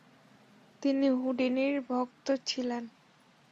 তিনি হুডিনির ভক্ত ছিলেন।